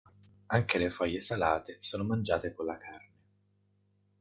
Anche le foglie salate sono mangiate con la carne.